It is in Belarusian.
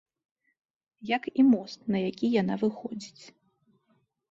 Як і мост, на які яна выходзіць.